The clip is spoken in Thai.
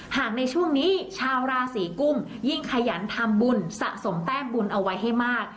หากในช่วงนี้ชาวราศีกุมยิ่งขยันทำบุญสะสมแต้มบุญเอาไว้ให้มาก